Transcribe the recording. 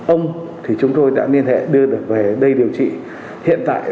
ông thì chúng tôi đã liên hệ đưa được về đây điều trị hiện tại còn bà